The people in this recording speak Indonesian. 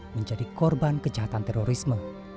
menjadi korban kejahatan terorisme